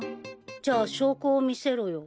じゃあ証拠を見せろよ。